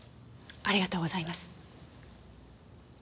ありがとうございます。